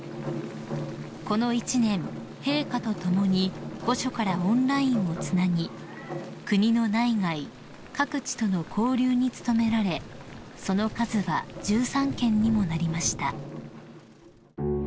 ［この一年陛下と共に御所からオンラインをつなぎ国の内外各地との交流に努められその数は１３件にもなりました］